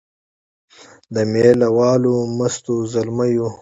د مېله والو مستو زلمیو